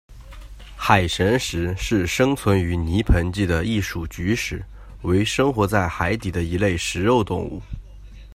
海神石是生存于泥盆纪的一属菊石，为生活在海底的一类食肉动物。